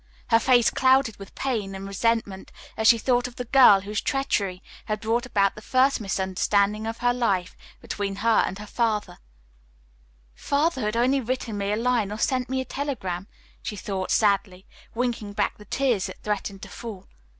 Her face clouded with pain and resentment as she thought of the girl whose treachery had brought about the first misunderstanding of her life between her and her father. "If Father had only written me a line or sent me a telegram," she thought sadly, winking back the tears that threatened to fall.